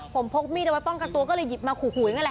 ผมพกมีดเอาไว้ป้องกันตัวก็เลยหยิบมาขู่อย่างนั้นแหละ